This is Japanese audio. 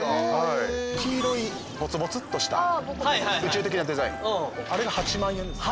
黄色いボツボツっとした宇宙的なデザインあれが８万円です。